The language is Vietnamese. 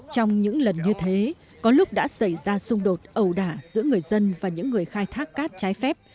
trong những lần như thế có lúc đã xảy ra xung đột ẩu đả giữa người dân và những người khai thác cát trái phép